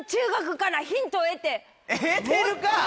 得てるか！